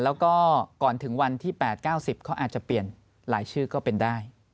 แล้วก็ก่อนถึงวันที่๘๙๐เขาอาจจะเปลี่ยนหลายชื่อก็เป็นได้